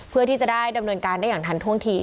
เพื่อที่จะได้ดำเนินการได้อย่างทันท่วงที